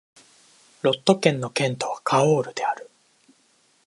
ロット県の県都はカオールである